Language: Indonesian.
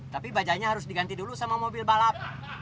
tapi bajanya harus diganti dulu sama mobil balap